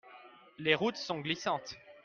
Les routes sont glissantes.